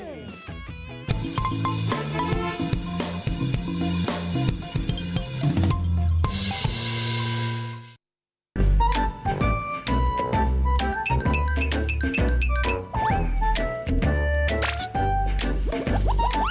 ว้าว